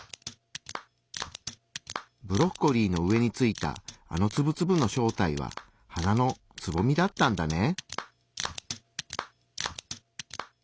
ブロッコリーの上についたあのツブツブの正体は花のつぼみだったんだね。